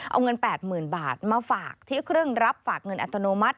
เอาเงิน๘๐๐๐บาทมาฝากที่เครื่องรับฝากเงินอัตโนมัติ